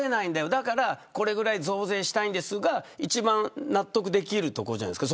だからこれだけ増税したいんですが一番納得できるところじゃないですか。